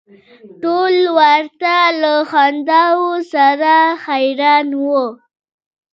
ټول ورته له خنداوو سره حیران و.